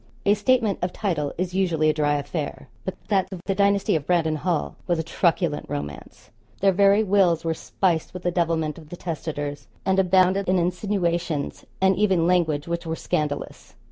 A 'statement of title' is usually a dry affair. But that of the dynasty of Brandon Hall was a truculent romance. Their very 'wills' were spiced with the devilment of the 'testators,' and abounded in insinuations and even language which were scandalous.